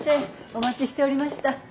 お待ちしておりました。